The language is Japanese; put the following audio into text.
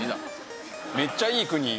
めっちゃいい国。